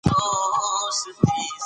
طبیعي زیرمې د افغانستان د طبیعت برخه ده.